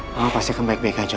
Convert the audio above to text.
memang pasti akan baik baik aja